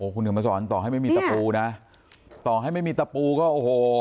คุณเห็นมาสอนต่อให้ไม่มีตะปูนะต่อให้ไม่มีตะปูก็โอ้โห